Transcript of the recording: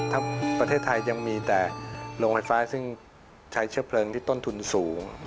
ประเทศไทยยังมีแต่โรงไฟฟ้าซึ่งใช้เชื้อเพลิงที่ต้นทุนสูง